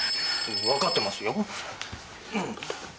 わかってますよ。